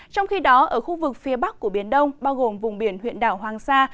trong khi đó ở khu vực phía bắc của biển đông bao gồm vùng biển huyện đảo hoàng sa